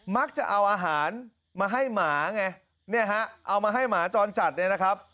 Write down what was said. มักจะเอาอาหารมาให้หมาไงเอามาให้หมาจรจัดนะครับ